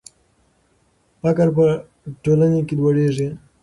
فقر په ټولنه کې لوړېږي.